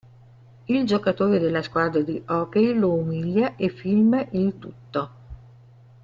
Il giocatore della squadra di Hockey lo umilia e filma il tutto.